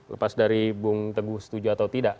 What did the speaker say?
lepas dari bung teguh setuju atau tidak